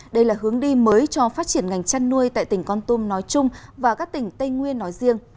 đây là hướng đi mới cho phát triển ngành chăn nuôi tại tỉnh con tum nói chung và các tỉnh tây nguyên nói riêng